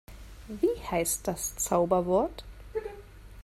Wie heißt das Zauberwort?